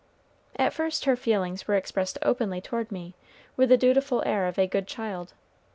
At first her feelings were expressed openly toward me, with the dutiful air of a good child.